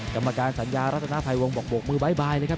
กรรมการสัญญารัฐนาภัยวงบอกโบกมือบ๊ายบายเลยครับ